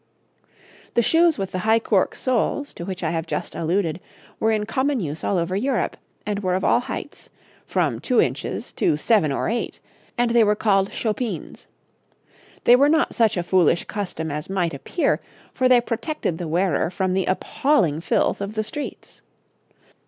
The shoes with the high cork soles, to which I have just alluded, were in common use all over Europe, and were of all heights from two inches to seven or eight and they were called chopines. They were not such a foolish custom as might appear, for they protected the wearer from the appalling filth of the streets.